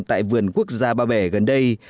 tại vườn quốc gia ba bể gần đây